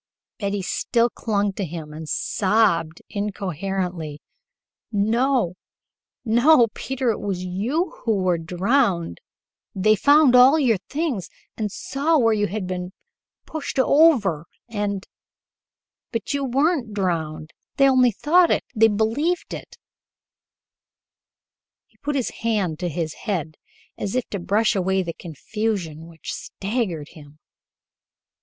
Betty still clung to him and sobbed incoherently. "No, no, Peter, it was you who were drowned they found all your things and saw where you had been pushed over, and but you weren't drowned! They only thought it they believed it " He put his hand to his head as if to brush away the confusion which staggered him.